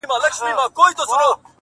خدایه چي د مرگ فتواوي ودروي نور;